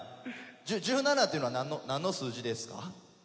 １７っていうのはなんの数字ですか？